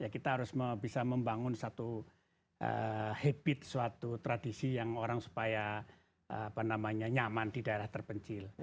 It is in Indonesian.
kita harus bisa membangun satu habit suatu tradisi yang orang supaya nyaman di daerah terpencil